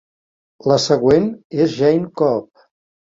La següent és Jayne Cobb.